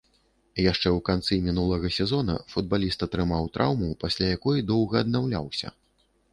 Яшчэ ў канцы мінулага сезона футбаліст атрымаў траўму, пасля якой доўга аднаўляўся.